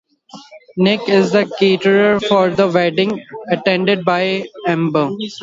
Nick is the caterer for a wedding attended by Ambar.